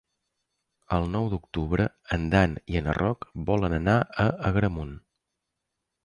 El nou d'octubre en Dan i en Roc volen anar a Agramunt.